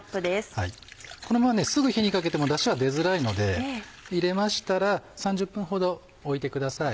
このまますぐに火にかけてもダシは出づらいので入れましたら３０分ほど置いてください。